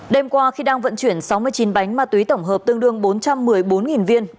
đêm qua khi đang vận chuyển sáu mươi chín bánh ma túy tổng hợp tương đương bốn trăm một mươi bốn viên